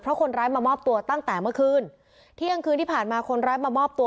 เพราะคนร้ายมามอบตัวตั้งแต่เมื่อคืนเที่ยงคืนที่ผ่านมาคนร้ายมามอบตัว